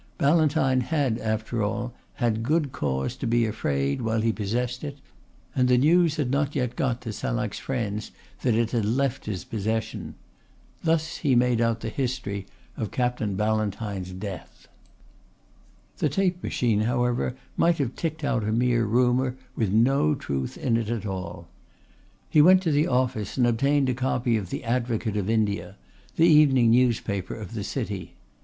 Ballantyne had, after all, had good cause to be afraid while he possessed it, and the news had not yet got to Salak's friends that it had left his possession. Thus he made out the history of Captain Ballantyne's death. The tape machine, however, might have ticked out a mere rumour with no truth in it at all. He went to the office and obtained a copy of The Advocate of India, the evening newspaper of the city.